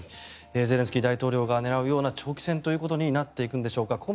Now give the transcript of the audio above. ゼレンスキー大統領が狙うような長期戦ということになっていくんでしょうか。